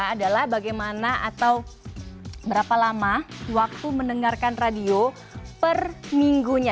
adalah bagaimana atau berapa lama waktu mendengarkan radio per minggunya